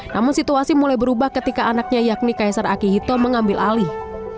namun situasi mulai berubah ketika anaknya yakni kaisar akihito mengambil alih